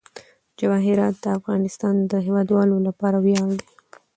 جواهرات د افغانستان د هیوادوالو لپاره ویاړ دی.